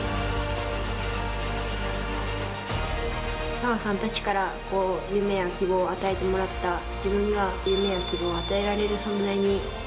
澤さんたちから夢や希望を与えてもらった自分が夢や希望を与えられる存在になりたい。